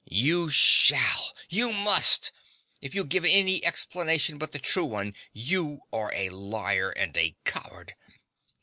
You shall you must. If you give any explanation but the true one, you are a liar and a coward.